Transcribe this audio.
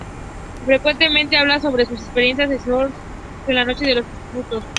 Frecuentemente hablaba sobre su experiencia en el Stonewall Inn la noche de los disturbios.